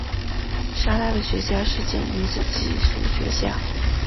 莎拉的学校是间女子寄宿学校。